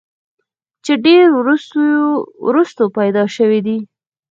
چې ډېر وروستو پېدا شوی دی